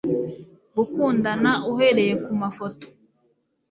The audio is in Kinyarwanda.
gukundana, uhereye kumafoto